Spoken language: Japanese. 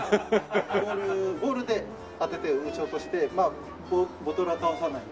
ボールで当てて撃ち落としてボトルは倒さない。